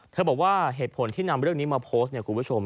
บอกว่าเหตุผลที่นำเรื่องนี้มาโพสต์เนี่ยคุณผู้ชม